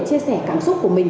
chia sẻ cảm xúc của mình